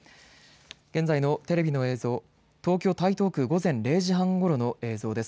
現在のテレビの映像、東京台東区、午前０時半ごろの映像です。